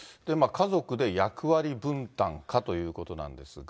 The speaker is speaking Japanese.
家族で役割分担かということなんですが。